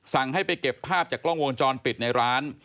สั่งให้ไปเก็บภาพจากกล้องวงจรปิดในร้าน